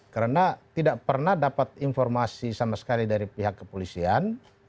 karena tidak pernah dapat informasi sama sekali dari pihak kepolisian